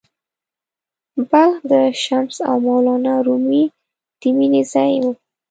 بلخ د “شمس او مولانا رومي” د مینې ځای و.